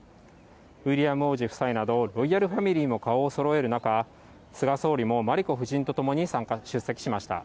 ウィリアム王子夫妻など、ロイヤルファミリーも顔をそろえる中、菅総理も真理子夫人と共に出席しました。